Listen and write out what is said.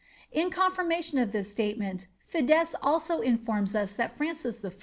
^'" In confirmation of this statement, Fiddes also informs us that Francis I.